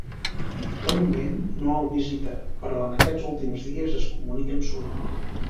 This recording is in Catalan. De moment, no el visita, però en aquests últims dies es comuniquen sovint.